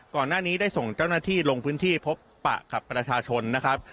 ก่อนหน้านี้ได้ส่งเจ้าหน้าที่ลงพื้นที่พบปะกับประชาชนนะครับ